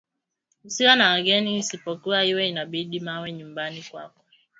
Usiwe na wageni isipokuwa iwe inabidi wawe nyumbani kwako